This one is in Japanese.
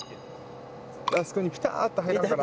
あそこにピターっと入らんかな？